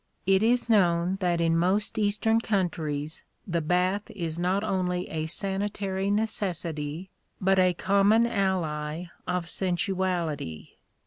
It is known that in most eastern countries the bath is not only a sanitary necessity, but a common ally of sensuality.